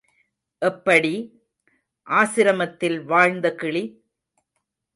எப்படி—ஆசிரமத்தில் வாழ்ந்த கிளி?